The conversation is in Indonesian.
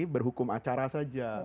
berhukum acara saja